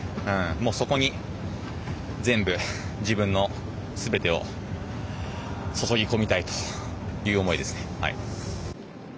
そこに全部自分のすべてを注ぎ込みたいという思いですね。